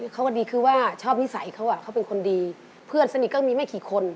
เขาก็ดีคือว่าชอบนิสัยเขาเขาเป็นคนดีเพื่อนสนิทก็มีไม่กี่คน